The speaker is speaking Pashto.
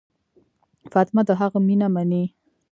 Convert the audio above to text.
فاطمه د هغه مینه مني.